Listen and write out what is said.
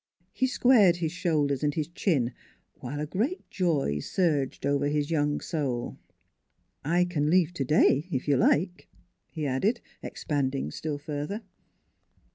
He squared his shoulders and his chin, while a great joy surged over his young soul. " I can leave today, if you like," he added, ex panding still further.